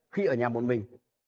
khi ở nhà một mình